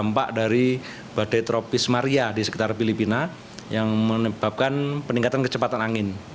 dampak dari badai tropis maria di sekitar filipina yang menyebabkan peningkatan kecepatan angin